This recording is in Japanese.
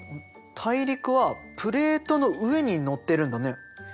大陸はプレートの上にのってるんだね。